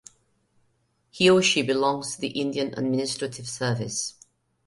He or she belongs to the Indian Administrative Service.